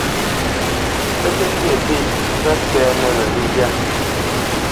Pə́ tə́ nyê pêʼ pə́ sɛ́nə wé ghə́ghyá.